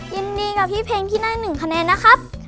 ยินดีกับพี่เพลงที่ได้๑คะแนนนะครับ